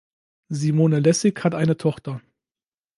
Simone Lässig hat eine Tochter.